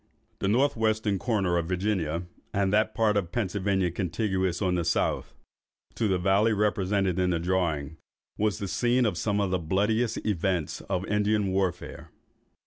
The north western corner of Virginia, and that part of Pennsylvania contiguous, on the south, to the valley represented in the drawing, was the scene of some of the bloodiest events of Indian warfare.